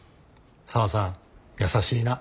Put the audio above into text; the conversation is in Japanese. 沙和さん優しいな。